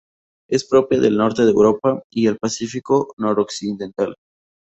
Es propia del norte de Europa y el Pacífico noroccidental.